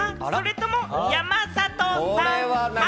それとも山里さん派？